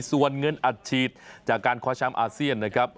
ส่วนเงินอัดฉีดจากการคว้าแชมป์อาเซียนนะครับ